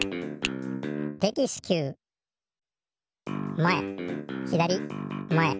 まえひだりまえ。